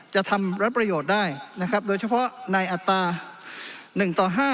จะทำรัฐประโยชน์ได้นะครับโดยเฉพาะในอัตรา๑ต่อ๕